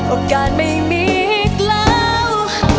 โอกาสไม่มีอีกแล้ว